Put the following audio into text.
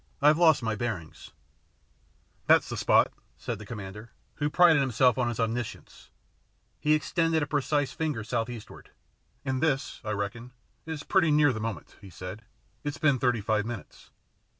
" I've lost my bearings." 78 THE PLATTNER STORY AND OTHERS " That's the spot," said the commander, who prided himself on his omniscience. He extended a precise finger south eastward. " And this, I reckon, is pretty nearly the moment," he said. " He's been thirty five minutes."